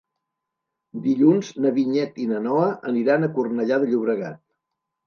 Dilluns na Vinyet i na Noa aniran a Cornellà de Llobregat.